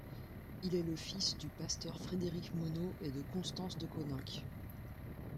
Il est le fils du pasteur Frédéric Monod et de Constance de Coninck.